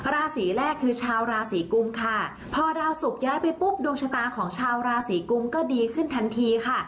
ราศีแรกคือชาวราศีกุมค่ะพอดาวสุกย้ายไปปุ๊บดวงชะตาของชาวราศีกุมก็ดีขึ้นทันทีค่ะ